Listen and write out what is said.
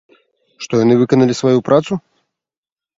Што яны выканалі сваю працу?